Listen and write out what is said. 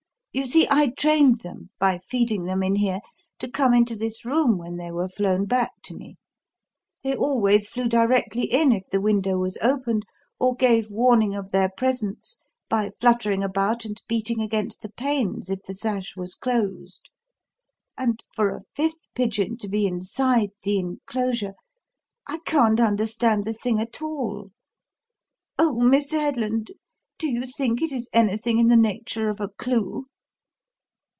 You see, I trained them, by feeding them in here, to come into this room when they were flown back to me. They always flew directly in if the window was opened, or gave warning of their presence by fluttering about and beating against the panes if the sash was closed. And for a fifth pigeon to be inside the enclosure I can't understand the thing at all. Oh, Mr. Headland, do you think it is anything in the nature of a clue?"